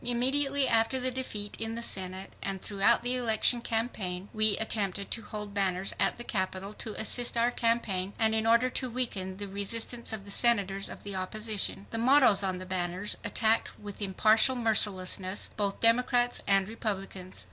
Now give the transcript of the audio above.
Immediately after the defeat in the Senate, and throughout the election campaign, we attempted to hold banners at the Capitol to assist our campaign and in order to weaken the resistance of the senators of the opposition. The mottoes on the banners attacked with impartial mercilessness both Democrats and Republicans.